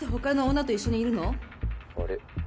あれ？